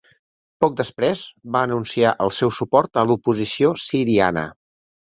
Poc després, va anunciar el seu suport a l'oposició siriana.